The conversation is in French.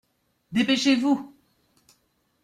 Dépêchez-vous !